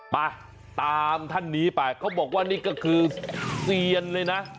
ไปตามท่านนี้ไปเขาบอกว่านี่ก็คือเซียนเลยนะ